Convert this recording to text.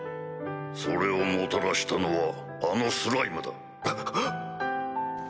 それをもたらしたのはあのスライムだ。